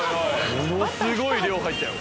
ものすごい量入ったよ。